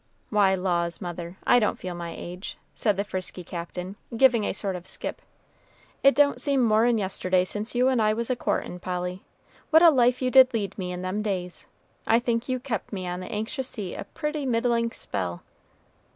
"Why, laws, mother, I don't feel my age," said the frisky Captain, giving a sort of skip. "It don't seem more'n yesterday since you and I was a courtin', Polly. What a life you did lead me in them days! I think you kep' me on the anxious seat a pretty middlin' spell."